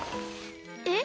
えっ？